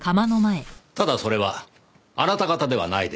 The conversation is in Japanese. ただそれはあなた方ではないでしょう。